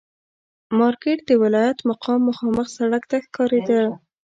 مارکېټ د ولایت مقام مخامخ سړک ته ښکارېده.